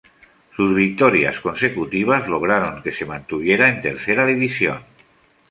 Sus victorias consecutivas lograron que se mantuviera en tercera división.